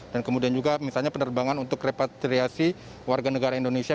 dan kemudian juga misalnya penerbangan untuk repatriasi warga negara indonesia